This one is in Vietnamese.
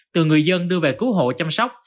từ người dân đưa về cứu hộ chăm sóc